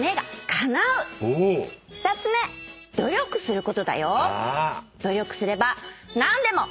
２つ目努力することだよ。